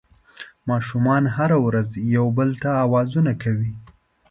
ماشومان هره ورځ یو بل ته اوازونه کوي